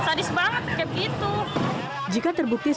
jika terbukti seorang pembunuhan keji ini itu adalah kebunuhan keji